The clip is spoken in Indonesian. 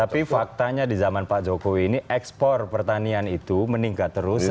tapi faktanya di zaman pak jokowi ini ekspor pertanian itu meningkat terus